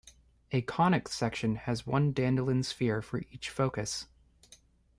A conic section has one Dandelin sphere for each focus.